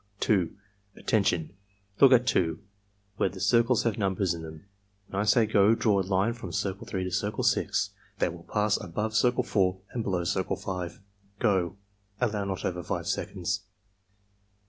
2. "Attention! Look at 2, where the circles have numbers in them. When I say 'go' draw a line from Circle 3 to Circle 6 that will pass above Circle 4 and below Circle 5. — Go!" (Allow not over 5 seconds.)